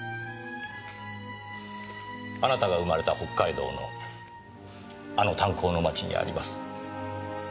あなたが生まれた北海道のあの炭鉱の町にあります。